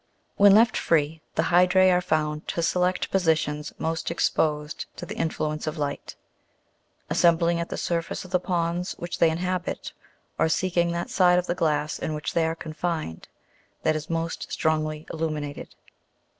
Fig. 90. HYDROS. " When left free, the hydrse are found to select positions most exposed to the influence of light, assembling at the surface of the ponds which they inhabit, or seeking that side of the glass in which they are confined, that is most strongly illuminated.